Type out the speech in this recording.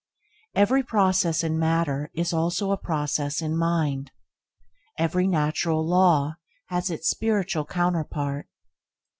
Every process in matter is also a process in mind. Every natural law has its spiritual counterpart.